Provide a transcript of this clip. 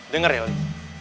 dengar ya oli